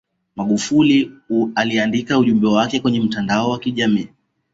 magufuli aliandike ujumbe wake kwenye mitandao ya kijamii